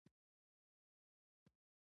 پکتیا د افغان ځوانانو د هیلو استازیتوب کوي.